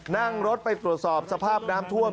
นั่งรถไปตรวจสอบสภาพน้ำท่วม